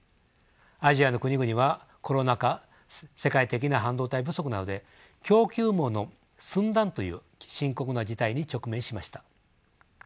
アジアの国々はコロナ禍世界的な半導体不足などで供給網の寸断という深刻な事態に直面しました。